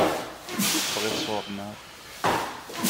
D acu i tebɣiḍ sɣur-neɣ?